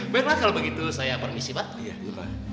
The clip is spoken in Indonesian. baiklah kalau begitu saya permisi pak